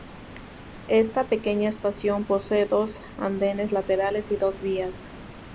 Esta pequeña estación posee dos andenes laterales y dos vías.